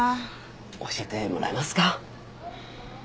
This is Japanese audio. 教えてもらえますか？